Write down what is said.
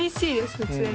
普通に。